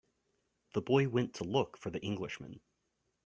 The boy went to look for the Englishman.